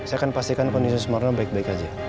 saya akan pastikan kondisi sumarno baik baik aja